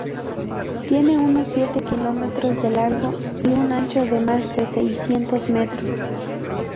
Tiene unos siete kilómetros de largo y un ancho de más de seiscientos metros.